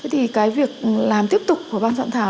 thì cái việc làm tiếp tục của ban soạn thảo